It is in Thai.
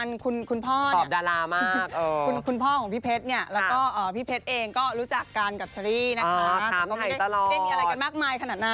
ซะก็ไม่ได้มีอะไรมากมายขนาดนั้น